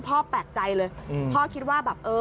พ่อแปลกใจเลยพ่อคิดว่าแบบ